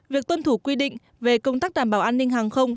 việc tuân thủ quy định về công tác đảm bảo an ninh hàng không